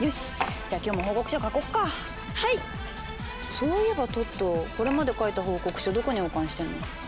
そういえばトットこれまで書いた報告書どこに保管してんの？